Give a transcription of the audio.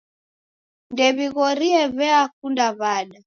Ndew'ighorie w'akunde w'ada.